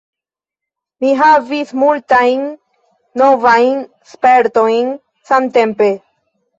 Mi havis multajn novajn spertojn samtempe.